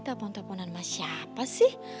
telepon teleponan mas siapa sih